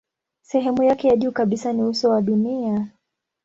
Sehemu yake ya juu kabisa ni uso wa dunia.